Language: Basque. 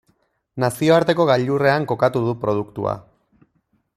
Nazioarteko gailurrean kokatu du produktua.